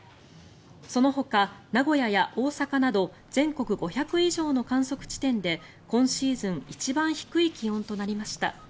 そのほか名古屋や大阪など全国５００以上の観測地点で今シーズン一番低い気温となりました。